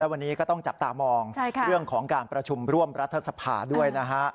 วันนี้ก็ต้องจับตามองเรื่องของการประชุมร่วมรัฐสภาด้วยนะฮะ